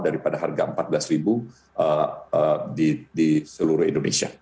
daripada harga rp empat belas di seluruh indonesia